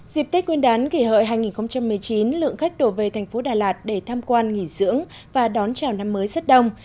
dịp tết nguyên đán kỷ hợi hai nghìn một mươi chín lượng khách đổ về thành phố đà lạt để tham quan nghỉ dưỡng và đón chào năm mới rất đông